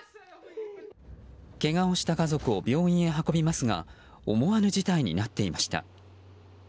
けがをした家族を病院へ運びますが思わぬ事態になっていました。